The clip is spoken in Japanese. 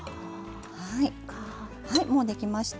はいもう出来ました。